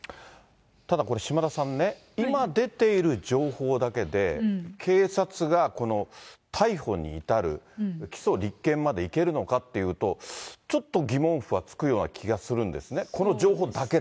ただこれ、島田さんね、今出ている情報だけで、警察がこの逮捕に至る起訴・立件までいけるのかっていうと、ちょっと疑問符はつくような気はするんですね。